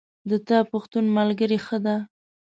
د تا پښتون ملګری ښه ده